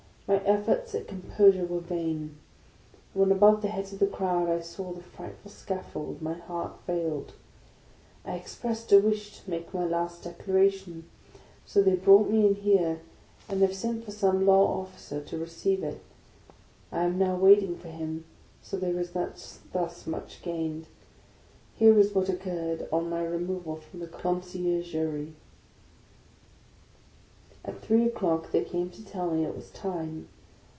My efforts at composure were vain : when above the heads of the crowd I saw the fright ful scaffold, my heart failed. I expressed a wish to make my last declaration; so they brought me in here, and have sent for some law officer to receive it. I am now waiting for him; so there is thus much gained. Here is what occured, on my removal from the Conciergerie. At three o'clock they came to tell me it was time.